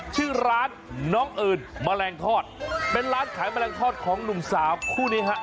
ชื่อร้านน้องเอิญแมลงทอดเป็นร้านขายแมลงทอดของหนุ่มสาวคู่นี้ฮะ